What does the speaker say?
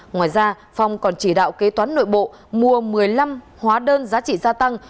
ngoài ra phong còn chỉ đạo kế toán nội bộ mua một mươi năm hóa đơn giá trị gia tăng